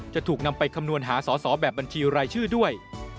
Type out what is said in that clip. จะถูกนำไปคำนวณหาสอสอแบบบัญชีรายชื่อด้วย